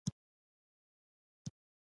دا دی څه بلا اخته کړه، زموږ په دی بد مرغو خلکو